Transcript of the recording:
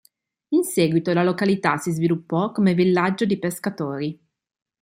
In seguito, la località si sviluppò come villaggio di pescatori.